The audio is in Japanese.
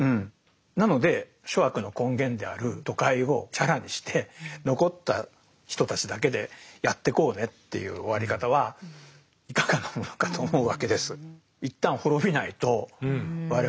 なので諸悪の根源である都会をチャラにして残った人たちだけでやってこうねっていう終わり方はいかがなものかと思うわけです。